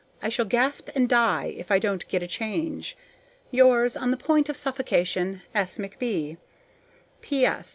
I shall gasp and die if I don't get a change. Yours, on the point of suffocation, S. McB. P.S.